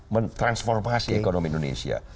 mentransformasi ekonomi indonesia